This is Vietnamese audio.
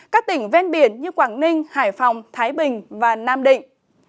các tỉnh ven biển như quảng ninh hải phòng thái bình và nam định